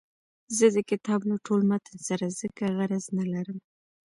زه د کتاب له ټول متن سره ځکه غرض نه لرم.